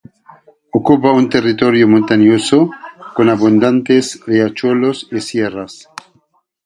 Ocupa un territorio montañoso, con abundantes riachuelos y sierras.